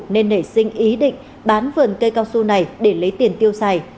nên nảy sinh ý định bán vườn cây cao su này để lấy tiền tiêu xài